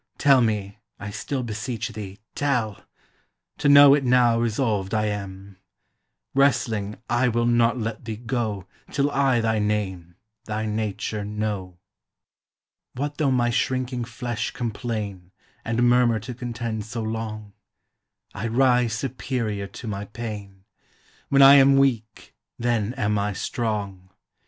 Tell me, I still beseech thee, tell; To know it now resolved I am; Wrestling, I will not let thee go Till I thy name, thy nature know. What though my shrinking flesh complain And murmur to contend so long? I rise superior to my pain; When I am weak, then am I strong!